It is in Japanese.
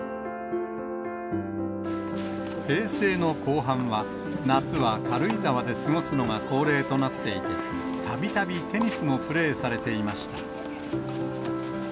平成の後半は、夏は軽井沢で過ごすのが恒例となっていて、たびたびテニスもプレーされていました。